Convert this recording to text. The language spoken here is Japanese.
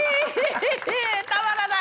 たまらない！